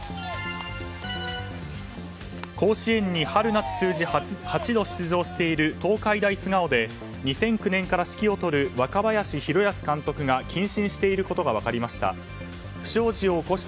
甲子園に春夏通じ８度出場している東海大菅生で２００９年から指揮を執る若林弘泰監督が謹慎していることが分かりました。